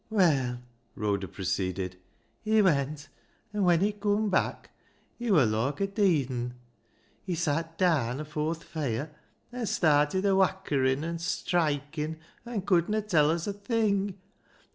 " Well," Rhoda proceeded, " he went, an' when he coom back he wur loike a deead un. He sat daan afoor th' feire an' started a whackering and skriking an' couldna tell us a thing.